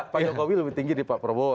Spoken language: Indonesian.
pak jokowi lebih tinggi di pak prabowo